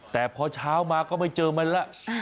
แต่พอเช้ามาก็ไม่เจอมันแล้ว